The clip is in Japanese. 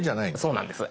そうなんです。